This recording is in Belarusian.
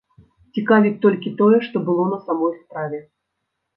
Цікавіць толькі тое, што было на самой справе.